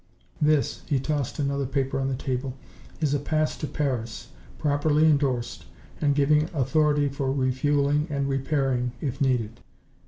"This," he tossed another paper on the table, "is a pass to Paris, properly indorsed, and giving authority for refueling and repairing, if needed.